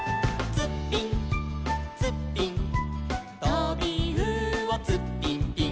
「ツッピンツッピン」「とびうおツッピンピン」